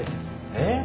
えっ。